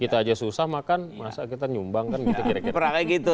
kita aja susah makan masa kita nyumbang kan gitu